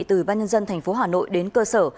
từ ban nhân dân thành phố hà nội đến cơ sở